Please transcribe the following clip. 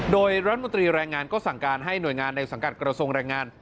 โดยรัฐมนตรีแรงงานก็สั่งการให้หน่วยงานในสังกัดกระทรวงแรงงาน